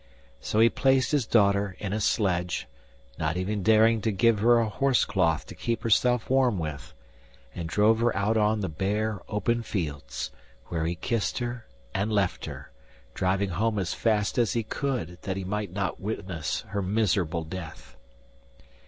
So he placed his daughter in a sledge, not even daring to give her a horse cloth to keep herself warm with, and drove her out on to the bare, open fields, where he kissed her and left her, driving home as fast as he could, that he might not witness her miserable death.